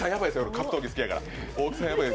格闘技好きだから。